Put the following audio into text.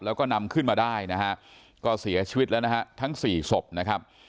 แล้วก็นำขึ้นมาได้นะฮะก็เสียชีวิตแล้วนะฮะทั้งสี่ศพนะครับ